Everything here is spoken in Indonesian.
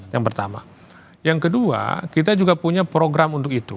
yang pertama yang kedua kita juga punya program untuk itu